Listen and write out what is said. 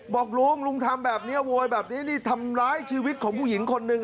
บอกลุงลุงทำแบบนี้โวยแบบนี้นี่ทำร้ายชีวิตของผู้หญิงคนหนึ่ง